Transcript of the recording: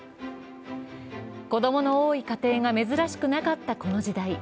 子供の多い家庭が珍しくなかったこの時代。